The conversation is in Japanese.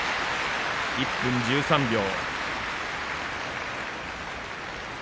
１分１３秒。